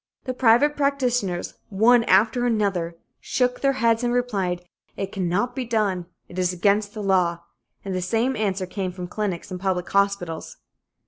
The private practitioners, one after another, shook their heads and replied: "It cannot be done. It is against the law," and the same answer came from clinics and public hospitals.